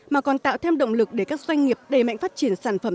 mà còn tạo thêm động lực để các doanh nghiệp đẩy mạnh phát triển sản phẩm